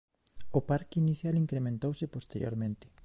O parque inicial incrementouse posteriormente.